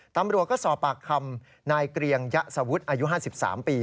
ตำรวจก็สอบปากคำนายเกรียงยะสวุฒิอายุ๕๓ปี